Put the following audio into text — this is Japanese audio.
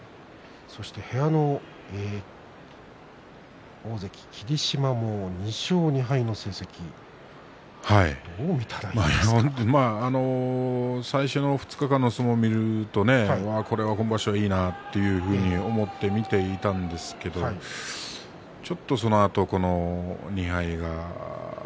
そして部屋の大関霧島も２勝２敗の成績最初の２日間の相撲を見ると、これは今場所いいなというふうに思って見ていたんですけれどもちょっとそのあと２敗が。